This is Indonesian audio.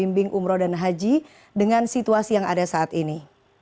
pembimbing umroh dan haji dengan situasi yang ada saat ini